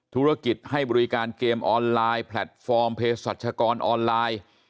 ธุรกิจให้บริการเกมออนไลน์แพลตฟอร์มเพศรัชกรออนไลน์